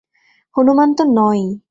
হনুমান তো নয়ই।